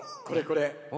これこれ。